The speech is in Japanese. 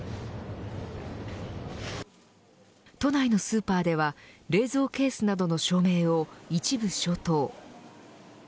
都内のスーパーでは冷蔵ケースなどの照明を一部消灯。